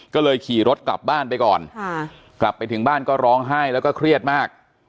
ก็เลยขี่รถกลับบ้านไปก่อนกลับไปถึงบ้านก็ร้องไห้แล้วก็เครียดมาก